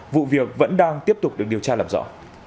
vụ việc vẫn đang tiếp tục được điều tra làm rõ